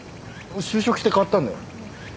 就職して変わったんだよ。